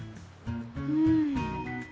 うん？